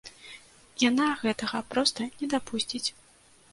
Яна гэтага проста не дапусціць.